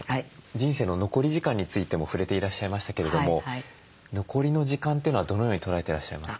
人生の残り時間についても触れていらっしゃいましたけれども残りの時間というのはどのように捉えてらっしゃいますか？